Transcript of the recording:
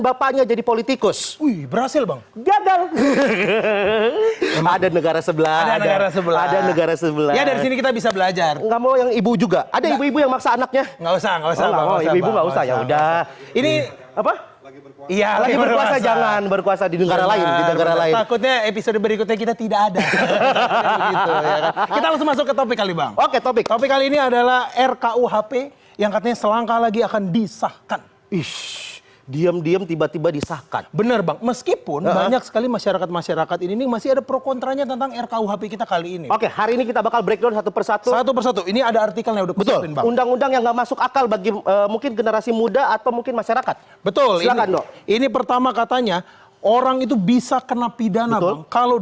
masih muda atau mungkin masyarakat betul ini pertama katanya orang itu bisa kena pidana kalau